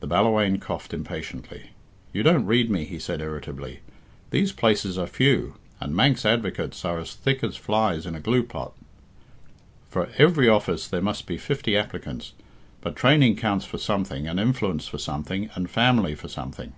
The Ballawhaine coughed impatiently. "You don't read me," he said irritably. "These places are few, and Manx advocates are as thick as flies in a glue pot. For every office there must be fifty applicants, but training counts for something, and influence for something, and family for something."